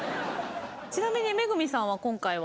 ちなみに恵さんは今回は。